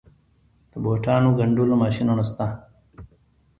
د بوټانو ګنډلو ماشینونه شته